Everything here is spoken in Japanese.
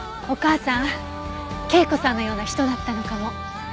お母さん圭子さんのような人だったのかも。